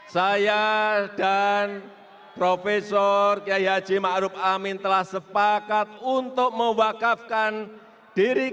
saya dan profesor kiai haji ma'ruf amin telah sepakat untuk mewakafkan diri kita